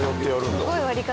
すごい割り方。